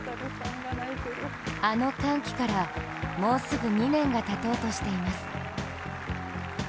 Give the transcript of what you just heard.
あの歓喜から、もうすぐ２年がたとうとしています。